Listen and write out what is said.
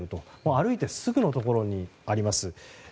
歩いてすぐのところにあります。